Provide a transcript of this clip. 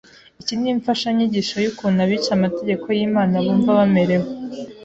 Iki ni imfashanyigisho y’ukuntu abica amategeko y’Imana bumva bamerewe